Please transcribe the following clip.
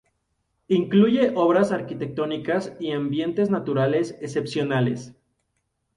Incluye obras arquitectónicas y ambientes naturales excepcionales.